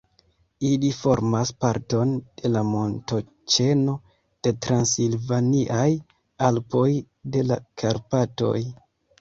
Ili formas parton de la montoĉeno de Transilvaniaj Alpoj de la Karpatoj.